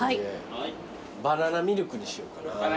バナナミルクにしようかなあ。